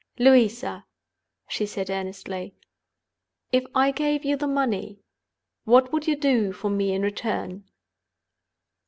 "Louisa!" she said, earnestly; "if I gave you the money, what would you do for me in return?"